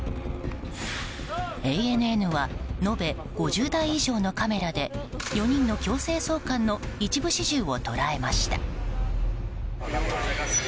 ＡＮＮは延べ５０台以上のカメラで４人の強制送還の一部始終を捉えました。